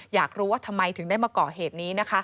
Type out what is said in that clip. อยากรู้ว่าทำไมถึงได้มาเกาะเหตุนี้